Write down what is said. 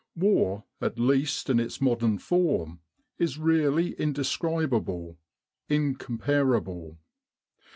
War, at least in its modern form, is really indescrib able, incomparable.